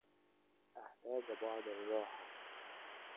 أحتاج بعض الراحة.